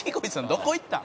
どこ行ったん？」